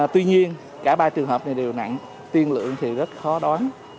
tuy nhiên cả ba trường hợp này đều nặng tiên lượng thì rất khó đoán